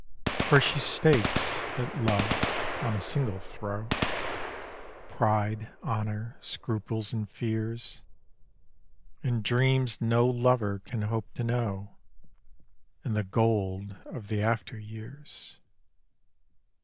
For she stakes, at love, on a single throw, Pride, Honour, Scruples and Fears, And dreams no lover can hope to know, And the gold of the after years.